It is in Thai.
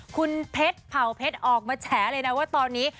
คุณเพชรเผ่าเพชรออกมาแฉเลยนะว่าตอนนี้